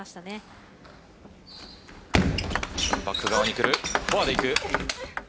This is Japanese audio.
バック側にくる。